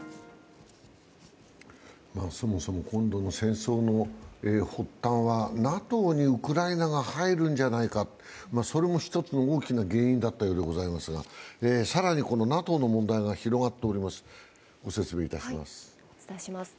そもそも今度の戦争の発端は、ＮＡＴＯにウクライナが入るんじゃないか、それも一つの大きな原因だったようでございますが、更にＮＡＴＯの問題が広がっております。